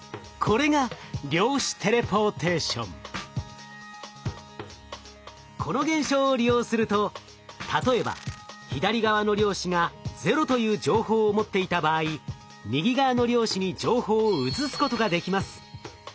これがこの現象を利用すると例えば左側の量子が「０」という情報を持っていた場合右側の量子に情報を移すことができます。